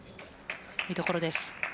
見どころです。